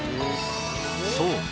そう！